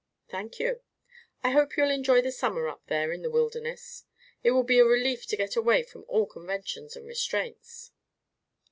"Thank you. I hope you'll enjoy the summer up there in the wilderness. It will be a relief to get away from all conventions and restraints."